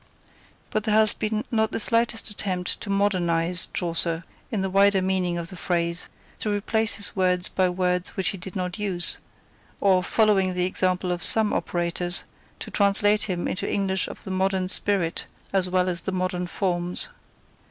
But there has been not the slightest attempt to "modernise" Chaucer, in the wider meaning of the phrase; to replace his words by words which he did not use; or, following the example of some operators, to translate him into English of the modern spirit as well as the modern forms.